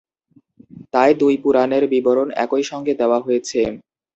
তাই দুই পুরাণের বিবরণ একইসঙ্গে দেওয়া হয়েছে।